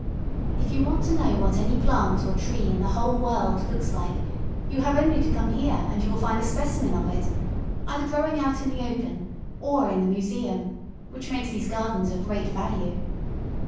If you want to know what any plant or tree in the whole world looks like, you have only to come here and you will find a specimen of it, either growing out in the open, or in the museum, which makes these gardens of great value.